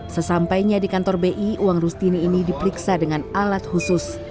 sesampainya di kantor bi uang rustini ini diperiksa dengan alat khusus